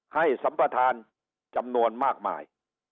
ให้สัมปรถานจำนวนมากมาย